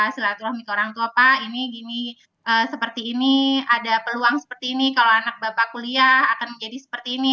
silaturahmi ke orang tua pak ini gini seperti ini ada peluang seperti ini kalau anak bapak kuliah akan jadi seperti ini